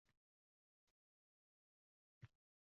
Lekin, menimcha, bunga sabab radioda.